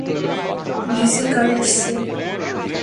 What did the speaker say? ডিসির গাড়ি আসছে।